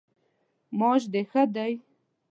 معاش د ښه دی؟